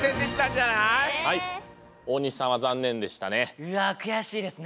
大西さんは残念でしたね。